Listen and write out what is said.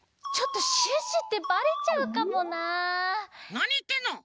なにいってんの！